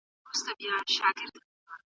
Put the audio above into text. موږ به سبا خبري وکړو.